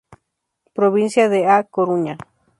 Provincia de A Coruña.